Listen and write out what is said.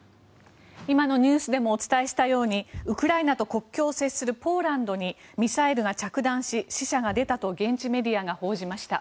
今のニュースでもお伝えしたようにウクライナと国境を接するポーランドにミサイルが着弾し、死者が出たと現地メディアが報じました。